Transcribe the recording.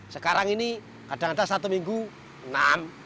sekarang ini kadang kadang satu minggu enam